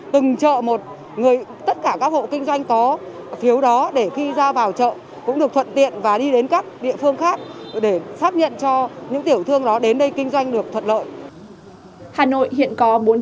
từng chợ một tất cả các hộ kinh doanh có phiếu đó để khi ra vào chợ cũng được thuận tiện và đi đến các địa phương khác để xác nhận cho những tiểu thương đó đến đây kinh doanh được thuận lợi